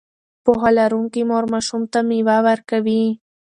پوهه لرونکې مور ماشوم ته مېوه ورکوي.